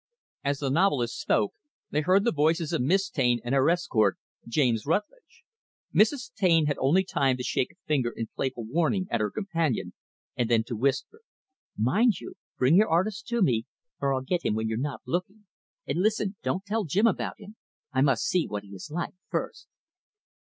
As the novelist spoke, they heard the voices of Miss Taine and her escort, James Rutlidge. Mrs. Taine had only time to shake a finger in playful warning at her companion, and to whisper, "Mind you bring your artist to me, or I'll get him when you're not looking; and listen, don't tell Jim about him; I must see what he is like, first."